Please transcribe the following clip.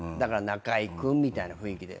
中居君みたいな雰囲気で。